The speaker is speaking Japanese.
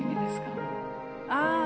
ああ。